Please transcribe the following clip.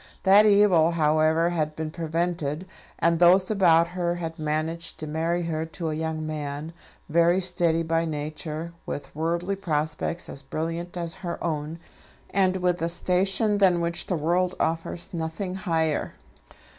That evil, however, had been prevented, and those about her had managed to marry her to a young man, very steady by nature, with worldly prospects as brilliant as her own, and with a station than which the world offers nothing higher.